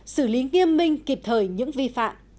xử lý nghiêm minh kịp thời những vi phạm